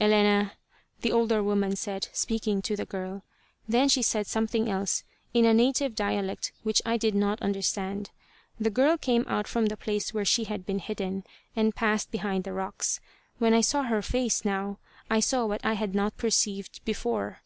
"Elena," the older woman said, speaking to the girl. Then she said something else, in a native dialect which I did not understand. The girl came out from the place where she had been hidden, and passed behind the rocks. When I saw her face, now, I saw what I had not perceived before.